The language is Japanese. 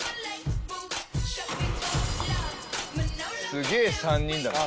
「すげえ３人だな」